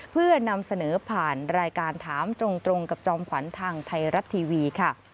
เพื่อนำเสนอผ่านรายการถามตรงกับจอมขวัญทางไทยรัฐทีวีค่ะ